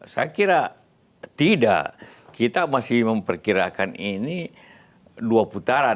saya kira tidak kita masih memperkirakan ini dua putaran